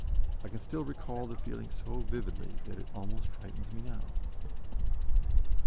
I can still recall the feeling so vividly that it almost frightens me now!